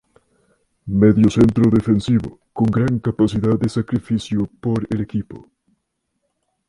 Mediocentro defensivo con gran capacidad de sacrificio por el equipo.